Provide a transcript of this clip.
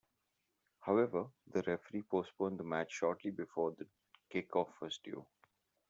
However, the referee postponed the match shortly before the kick-off was due.